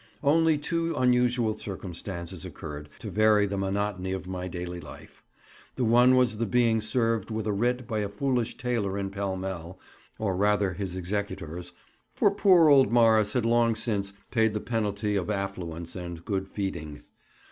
Only two unusual circumstances occurred to vary the monotony of my daily life; the one was the being served with a writ by a foolish tailor in Pall Mall, or rather his executors, for poor old Morris had long since paid the penalty of affluence and good feeding.